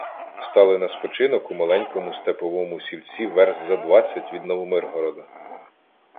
Стали на спочинок у маленькому степовому сільці верст за двадцять від Новомиргорода.